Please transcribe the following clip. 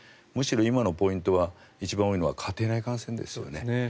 むしろ今のポイントは一番多いのは家庭内感染ですよね。